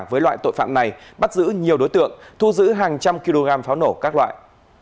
với loại tội phạm này bắt giữ nhiều đối tượng thu giữ hàng trăm kg pháo nổ các loại